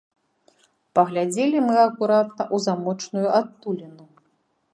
Паглядзелі мы акуратна ў замочную адтуліну.